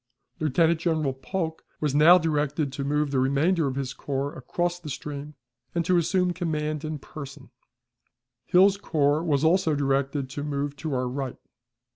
Lieutenant General Polk was now directed to move the remainder of his corps across the stream, and to assume command in person; Hill's corps was also directed to move to our right.